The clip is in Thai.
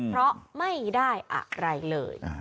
เพราะไม่ได้อะไรเลย